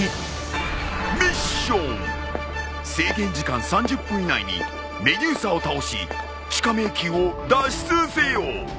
制限時間３０分以内にメデューサを倒し地下迷宮を脱出せよ！